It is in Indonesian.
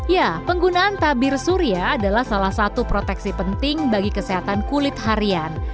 ya penggunaan tabir surya adalah salah satu proteksi penting bagi kesehatan kulit harian